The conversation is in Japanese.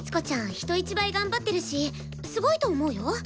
人一倍頑張ってるしすごいと思うよ。